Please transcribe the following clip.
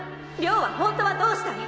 亮は本当はどうしたい？